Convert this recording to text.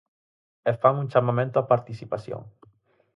E fan un chamamento á participación.